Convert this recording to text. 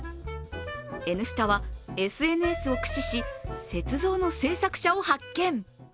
「Ｎスタ」はＳＮＳを駆使し、雪像の制作者を発見。